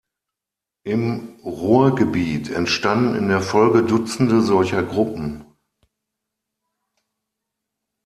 Im Ruhrgebiet entstanden in der Folge Dutzende solcher Gruppen.